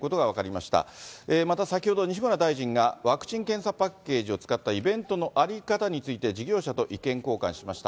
また、先ほど西村大臣が、ワクチン・検査パッケージを使ったイベントの在り方について、事業者と意見交換しました。